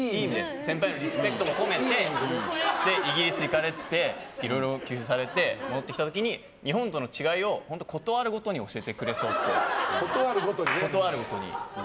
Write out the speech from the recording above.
先輩へのリスペクトも込めてイギリス行かれてていろいろ勉強されて戻ってきた時に日本との違いをことあるごとに教えてくれそう。